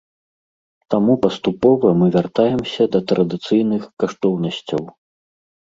Таму паступова мы вяртаемся да традыцыйных каштоўнасцяў.